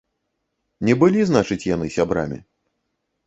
Не былі, значыць, яны сябрамі.